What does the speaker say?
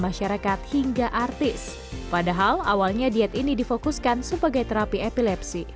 masyarakat hingga artis padahal awalnya diet ini difokuskan sebagai terapi epilepsi